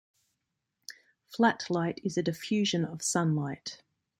Flat-light is a diffusion of sunlight.